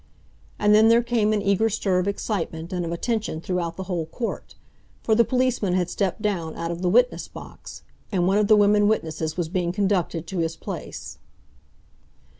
And then there came an eager stir of excitement and of attention throughout the whole court, for the policeman had stepped down out of the witness box, and one of the women witnesses was being conducted to his place.